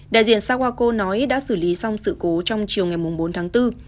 đại diện saguaco nói đã xử lý xong sự cố trong chiều ngày bốn tháng bốn